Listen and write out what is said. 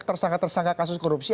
tersangka tersangka kasus korupsi